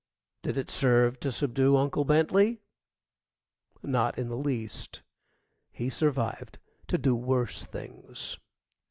Did it serve to subdue Uncle Bentley? Not in the least; he survived to do worse things.